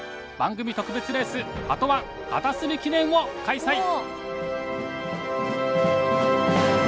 番組特別レースハト−１かたすみ記念を開催！